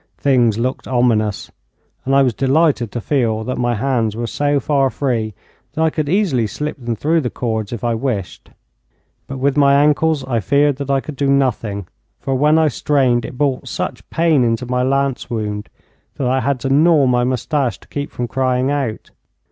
Things looked ominous, and I was delighted to feel that my hands were so far free that I could easily slip them through the cords if I wished. But with my ankles I feared that I could do nothing, for when I strained it brought such pain into my lance wound that I had to gnaw my moustache to keep from crying out.